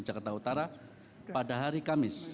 jakarta utara pada hari kamis